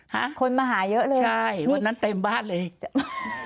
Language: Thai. ฮะคนมาหาเยอะเลยใช่วันนั้นเต็มบ้านเลย